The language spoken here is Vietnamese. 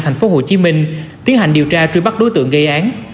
tp hcm tiến hành điều tra truy bắt đối tượng gây án